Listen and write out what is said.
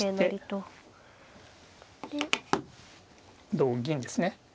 同銀ですね。